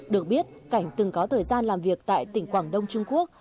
được biết cảnh từng có thời gian làm việc tại tỉnh quảng đông trung quốc